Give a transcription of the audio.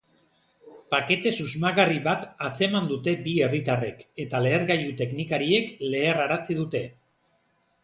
Pakete susmagarri bat atzeman dute bi herritarrek, eta lehergailu-teknikariek leherrarazi dute.